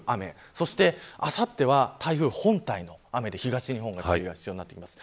そしてあさっては台風本体の雨で東日本は注意が必要になります。